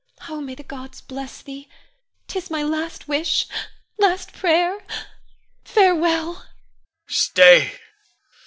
Oh, may the gods bless thee! 'Tis my last wish, last prayer [weeps]. Farewell! Con. Stay!